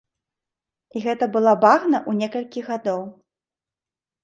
І гэта была багна ў некалькі гадоў.